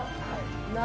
何？